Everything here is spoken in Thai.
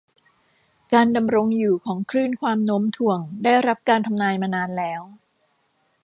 การดำรงอยู่ของคลื่นความโน้มถ่วงได้รับการทำนายมานานแล้ว